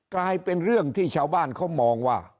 กลายเป็นเรื่องที่ชาวบ้านเขามองว่า